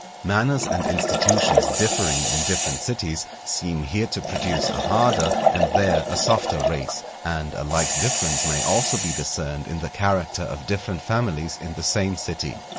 _ Manners and institutions differing in different cities, seem here to produce a harder and there a softer race; and a like difference may also be discerned in the character of different families in the same city.